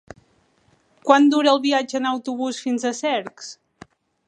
Quant dura el viatge en autobús fins a Cercs?